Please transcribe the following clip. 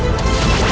aku tidak mau